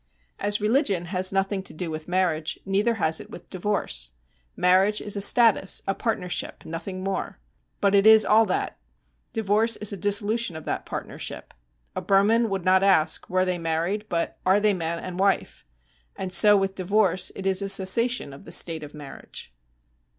As religion has nothing to do with marriage, neither has it with divorce. Marriage is a status, a partnership, nothing more. But it is all that. Divorce is a dissolution of that partnership. A Burman would not ask, 'Were they married?' but, 'Are they man and wife?' And so with divorce, it is a cessation of the state of marriage.